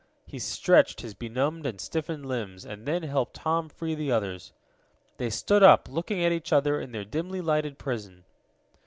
He stretched his benumbed and stiffened limbs and then helped Tom free the others. They stood up, looking at each other in their dimly lighted prison.